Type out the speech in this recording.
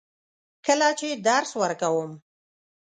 کله چې درس ورکوم.